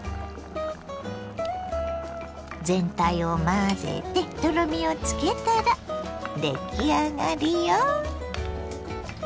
全体を混ぜてとろみをつけたらでき上がりよ。